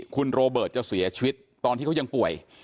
คุณโรเบิร์ตจะเสียชีวิตตอนที่เขายังป่วย